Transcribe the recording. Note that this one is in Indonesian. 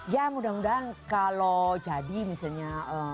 ya mudah mudahan kalau jadi misalnya